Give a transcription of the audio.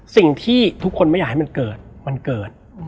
สิ่งที่ทุกคนไม่อยากให้มันเกิดวันเกิด